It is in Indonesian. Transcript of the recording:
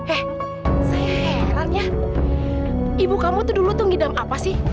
eh seheranya ibu kamu tuh dulu ngidam apa sih